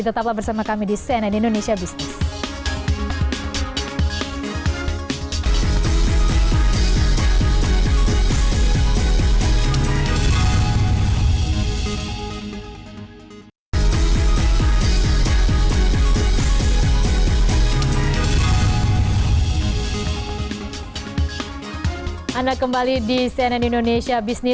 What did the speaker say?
tetaplah bersama kami di cnn indonesia business